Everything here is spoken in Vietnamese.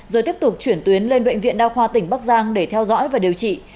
rồi tiếp tục chuyển tuyến lên bệnh viện đa khoa tỉnh bắc giang để theo dõi và điều trị